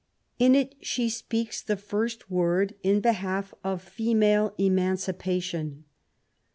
In it she speaks the first word in behalf of female eman cipation.